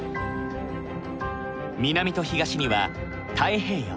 南と東には太平洋。